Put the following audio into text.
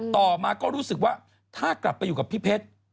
ต่อมาก็รู้สึกว่าถ้ากลับไปอยู่กับพี่เพชร